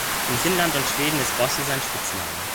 In Finnland und Schweden ist „Bosse“ sein Spitzname.